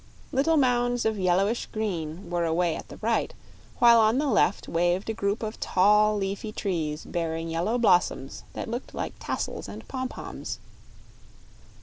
Little mounds of yellowish green were away at the right, while on the left waved a group of tall leafy trees bearing yellow blossoms that looked like tassels and pompoms.